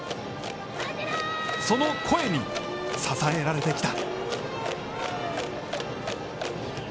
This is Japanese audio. その声に支えられてきた。